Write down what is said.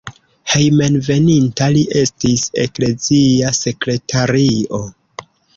Hejmenveninta li estis eklezia sekretario.